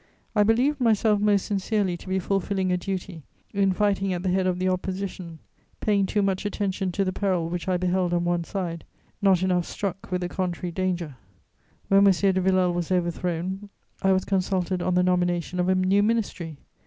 I believed myself most sincerely to be fulfilling a duty in fighting at the head of the Opposition, paying too much attention to the peril which I beheld on one side, not enough struck with the contrary danger. When M. de Villèle was overthrown, I was consulted on the nomination of a new ministry.